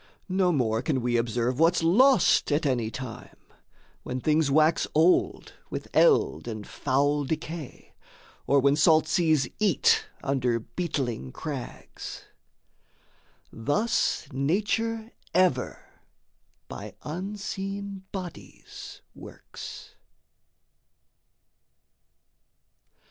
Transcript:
No more Can we observe what's lost at any time, When things wax old with eld and foul decay, Or when salt seas eat under beetling crags. Thus Nature ever by unseen bodies works.